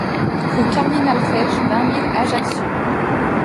Rue Cardinal Fesch, vingt mille Ajaccio